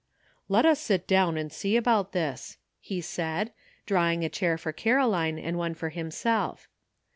*' Let us sit down and see about this," he said, drawing a chair for Caroline and one for him self.